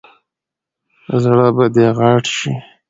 زړه به دې غټ شي !